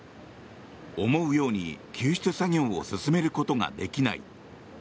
思うように救出作業を進めることができない。